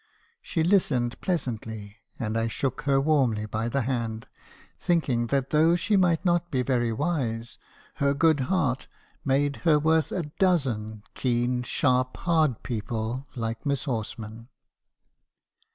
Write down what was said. She listened pleasantly ; and I shook her warmly by the hand , thinking that though she might not be very wise, her good heart made her worth a dozen keen, sharp, hard people, like Miss Horsman.